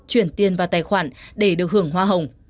chuyển tiền vào tài khoản để được hưởng hoa hồng